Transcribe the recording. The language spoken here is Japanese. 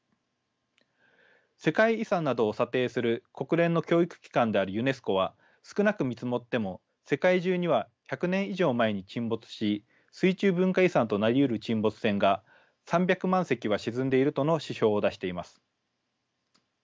世界遺産などを査定する国連の教育機関であるユネスコは少なく見積もっても世界中には１００年以上前に沈没し水中文化遺産となりうる沈没船が３００万隻は沈んでいるとの指標を出しています。